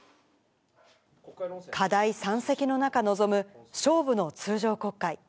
課題山積の中、臨む勝負の通常国会。